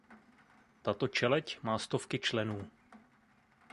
Tato čeleď má stovky členů.